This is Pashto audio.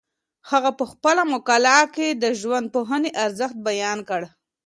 هغه په خپله مقاله کي د ژوندپوهنې ارزښت بیان کړ.